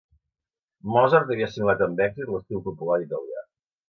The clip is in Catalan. Mozart havia assimilat amb èxit l'estil popular italià.